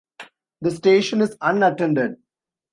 The station is unattended.